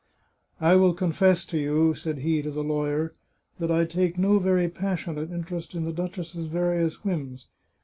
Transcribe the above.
" I will confess to you," said he to the lawyer, " that I take no very passionate interest in the duchess's various whims.